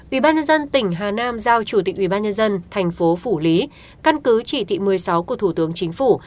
ủy ban nhân dân tỉnh hà nam giao chủ tịch ủy ban nhân dân thành phố phủ lý căn cứ chỉ thị một mươi sáu của thủ tướng chính phủ